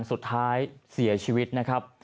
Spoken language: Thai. สุดท้ายเสียชีวิตนะครับ